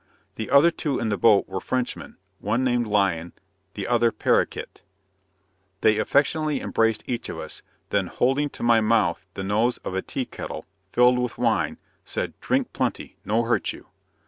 The other two in the boat were Frenchmen, one named Lyon, the other Parrikete. They affectionately embraced each of us; then holding to my mouth the nose of a teakettle, filled with wine, said "Drink plenty, no hurt you."